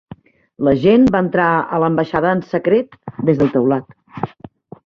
L'agent va entrar a l'ambaixada en secret des del teulat.